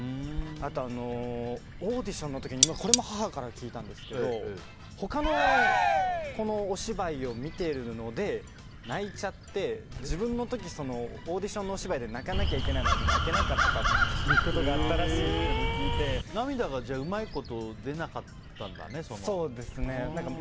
あと、オーディションの時にこれも母から聞いたんですけど他の子のお芝居を見ているので泣いちゃって、自分の時オーディションのお芝居で泣かなきゃいけないのに泣けなかったことが涙がうまいこと出なかったんだね、その時に。